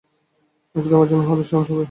এটা তোমার জন্য হলে সহজ হত।